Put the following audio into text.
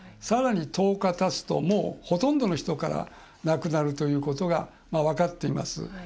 さらに１０日たつともうほとんどの人からなくなるということが分かっています。